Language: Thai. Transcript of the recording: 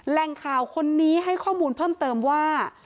ตอนนี้ให้ข้อมูลเพิ่มเติมว่า